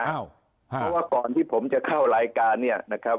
เพราะว่าก่อนที่ผมจะเข้ารายการเนี่ยนะครับ